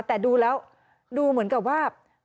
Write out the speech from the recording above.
แต่ดูแล้วดูเหมือนกับว่า